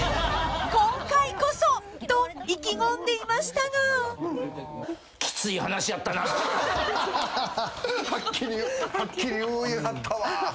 ［今回こそ！と意気込んでいましたが］はっきり言いはったわ。